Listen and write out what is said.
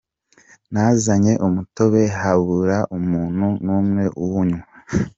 Nazanye umutobe habura umuntu n'umwe uwunywa.